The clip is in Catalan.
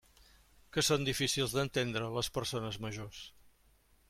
Que són difícils d'entendre, les persones majors!